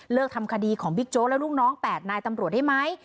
ทำคดีของบิ๊กโจ๊กและลูกน้อง๘นายตำรวจได้ไหม